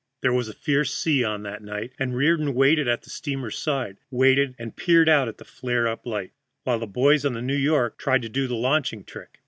There was a fierce sea on that night, and Reardon waited at the steamer's side waited and peered out at the flare up light, while the boys on the New York tried to do the launching trick.